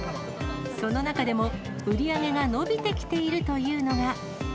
その中でも、売り上げが伸びてきているというのが。